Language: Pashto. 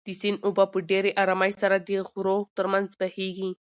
د سیند اوبه په ډېرې ارامۍ سره د غرو تر منځ بهېږي.